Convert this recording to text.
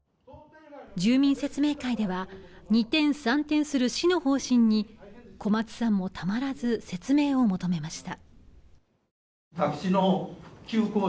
住民説明会では二転三転する市の方針に小松さんもたまらず説明を求めました。